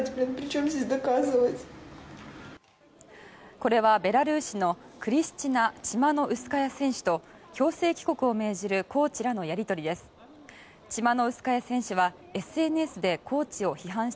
これはベラルーシのクリスチナ・チマノウスカヤ選手と強制帰国を命じるコーチらのやり取りです。